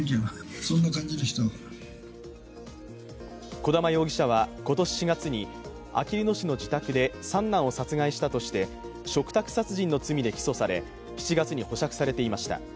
小玉容疑者は今年４月にあきる野市の自宅で三男を殺害したとして嘱託殺人の罪で起訴され７月に保釈されていました。